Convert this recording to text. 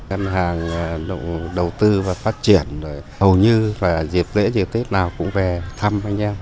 căn hàng đầu tư và phát triển hầu như dịp lễ dịp tết nào cũng về thăm anh em